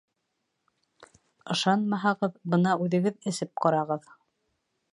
Ышанмаһағыҙ, бына үҙегеҙ эсеп ҡарағыҙ.